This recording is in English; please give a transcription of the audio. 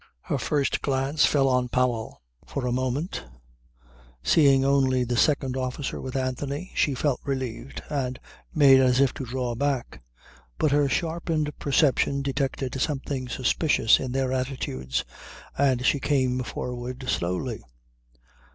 Her first glance fell on Powell. For a moment, seeing only the second officer with Anthony, she felt relieved and made as if to draw back; but her sharpened perception detected something suspicious in their attitudes, and she came forward slowly.